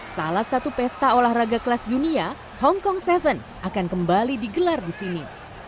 salah satu pesta olahraga kelas dunia hongkong tujuh akan kembali digelar di sini